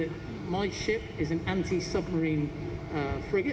kapal saya adalah frigat anti submarine